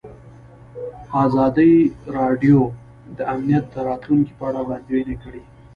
ازادي راډیو د امنیت د راتلونکې په اړه وړاندوینې کړې.